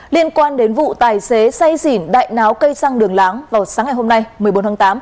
liên quan đến vụ tài xế say xỉn đại náo cây xăng đường láng vào sáng ngày hôm nay một mươi bốn tháng tám